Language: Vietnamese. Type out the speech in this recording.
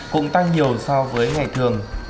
cũng tăng nhiều so với ngày thường